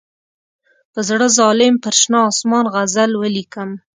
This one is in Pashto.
په زړه ظالم پر شنه آسمان غزل ولیکم.